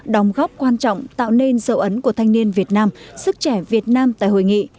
đóng góp quan trọng tạo nên dấu ấn của thanh niên việt nam sức trẻ việt nam tại hội nghị